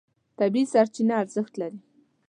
طبیعي سرچینه ارزښت لري.